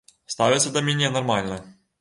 Ставяцца да мяне нармальна.